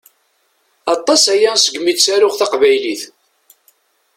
Aṭas aya segmi ttaruɣ taqbaylit.